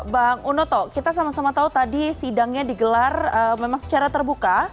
bang unoto kita sama sama tahu tadi sidangnya digelar memang secara terbuka